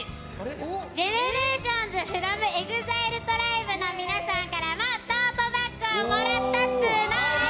ＧＥＮＥＲＡＴＩＯＮＳｆｒｏｍＥＸＩＬＥＴＲＩＢＥの皆さんからもトートバッグをもらったっつーの。